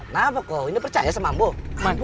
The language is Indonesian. nah pokoknya ini percaya sama mbok